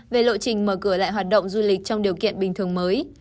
về lộ trình mở cửa lại hoạt động du lịch trong điều kiện bình thường mới